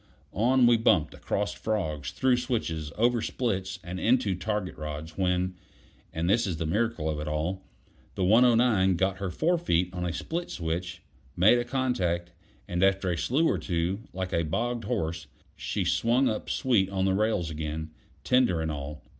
On we bumped, across frogs, through switches, over splits, and into target rods, when and this is the miracle of it all the 109 got her forefeet on a split switch, made a contact, and after a slew or two, like a bogged horse, she swung up sweet on the rails again, tender and all.